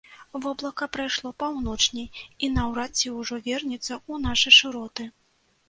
Воблака прайшло паўночней, і наўрад ці ўжо вернецца ў нашы шыроты.